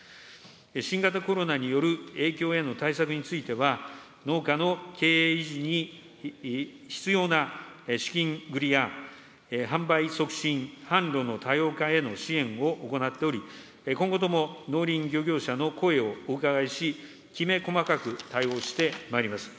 新型コロナによる影響への対策については、農家の経営維持に必要な資金繰りや、販売促進、販路の多様化への支援を行っており、今後とも農林漁業者の声をお伺いし、きめ細かく対応してまいります。